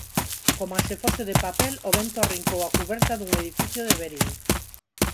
Coma se fose de papel, o vento arrincou a cuberta dun edificio de Verín.